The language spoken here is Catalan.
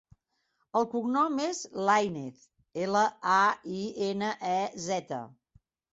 El cognom és Lainez: ela, a, i, ena, e, zeta.